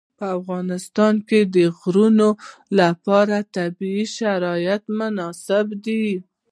په افغانستان کې د غزني لپاره طبیعي شرایط مناسب دي.